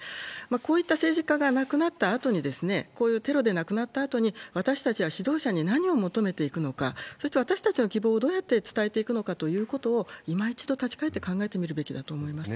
こういった政治家が亡くなったあとに、こういうテロで亡くなったあとに、私たちは指導者に何を求めていくのか、そして私たちの希望をどうやって伝えていくのかということを、いま一度立ち返って考えてみるべきだと思いますね。